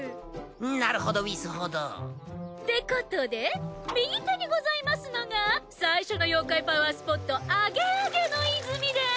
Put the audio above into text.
なるほどうぃすほど。ってことで右手にございますのが最初の妖怪パワースポットアゲアゲの泉です。